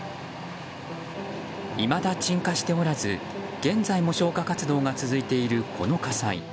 いまだ鎮火しておらず現在も消火活動が続いているこの火災。